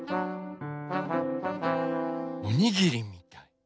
おにぎりみたい。